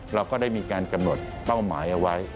เราก็ได้มีการกำหนดเป้าหมายเอาไว้